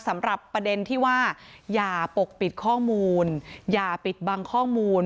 สำหรับประเด็นที่ว่าอย่าปกปิดข้อมูลอย่าปิดบังข้อมูล